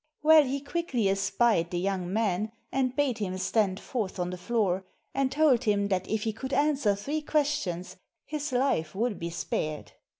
'* Well, he quickly espied the young man, and bade him stand forth on the floor and told him that if he could answer three questions his life would be spared.